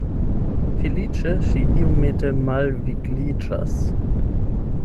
Feliĉe ŝi iomete malvigliĝas.